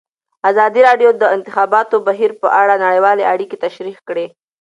ازادي راډیو د د انتخاباتو بهیر په اړه نړیوالې اړیکې تشریح کړي.